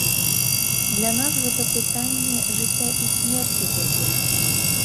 Для нас гэта пытанне жыцця і смерці цяпер.